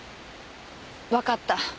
わかった。